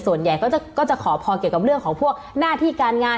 ส่วนใหญ่ก็จะขอพรเกี่ยวกับเรื่องของพวกหน้าที่การงาน